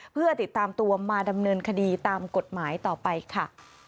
เพื่อติดตามตัวมาดำเนินคดีตามกฎหมายต่อไปค่ะ